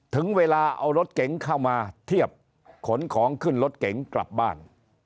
ถึงเวลาเอารถเก๋งเข้ามาเทียบขนของขึ้นรถเก๋งกลับบ้าน